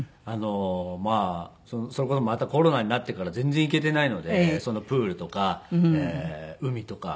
まあそれこそまたコロナになってから全然行けていないのでプールとか海とか。